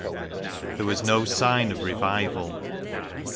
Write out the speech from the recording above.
There was no sign of revival.